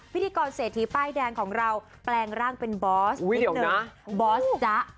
พิธีกรเศรษฐีป้ายแดงของเราแปลงร่างเป็นบอสนิดนึงบอสจ๊ะ